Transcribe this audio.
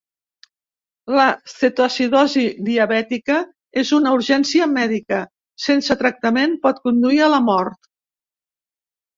La cetoacidosi diabètica és una urgència mèdica, i sense tractament pot conduir a la mort.